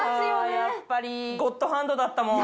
やっぱりゴッドハンドだったもん。